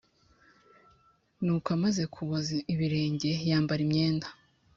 Nuko amaze kuboza ibirenge yambara imyenda